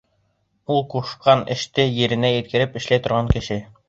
Ул ҡушҡан эште еренә еткереп эшләй торған кеше.